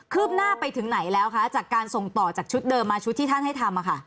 ืบหน้าไปถึงไหนแล้วคะจากการส่งต่อจากชุดเดิมมาชุดที่ท่านให้ทำ